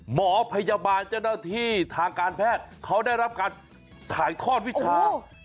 หมอพยาบาลเจ้าหน้าที่ทางการแพทย์เขาได้รับการถ่ายทอดวิชา